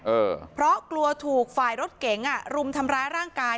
เออเพราะกลัวถูกฝ่ายรถเก๋งอ่ะรุมทำร้ายร่างกาย